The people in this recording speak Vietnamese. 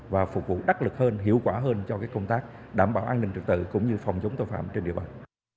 và phục vụ đắc lực hơn hiệu quả hơn cho công tác đảm bảo an ninh trực tự cũng như phòng chống tội phạm trên địa bàn